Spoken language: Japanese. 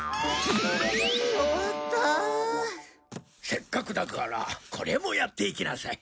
せっかくだからこれもやっていきなさい。